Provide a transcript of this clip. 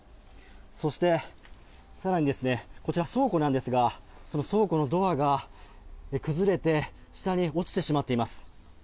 そして更に、こちら倉庫なんですが倉庫のドアが崩れて下に落ちてしまっています。